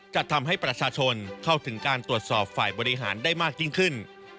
จะทำให้ประชาชนเข้าถึงการตรวจสอบฝ่ายบริหารได้มากยิ่งขึ้น